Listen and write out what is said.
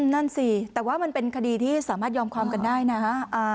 นั่นสิแต่ว่ามันเป็นคดีที่สามารถยอมความกันได้นะฮะ